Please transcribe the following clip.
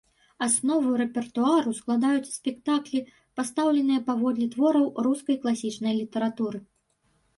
Аснову рэпертуару складаюць спектаклі, пастаўленыя паводле твораў рускай класічнай літаратуры.